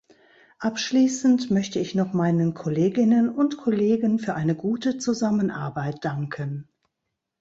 Abschließend möchte ich noch meinen Kolleginnen und Kollegen für eine gute Zusammenarbeit danken.